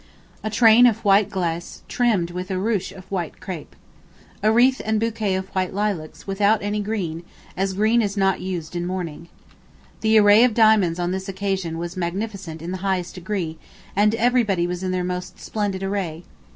A train of white glacé trimmed with a ruche of white crape. A wreath and bouquet of white lilacs, without any green, as green is not used in mourning. The array of diamonds on this occasion was magnificent in the highest degree, and everybody was in their most splendid array.